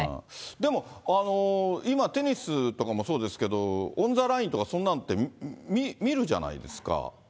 でも、今、テニスとかもそうですけれども、オンザラインとか、そんなのって、見るじゃないですか。